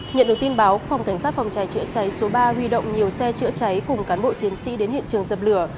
nhận được tin báo phòng cảnh sát phòng cháy chữa cháy số ba huy động nhiều xe chữa cháy cùng cán bộ chiến sĩ đến hiện trường dập lửa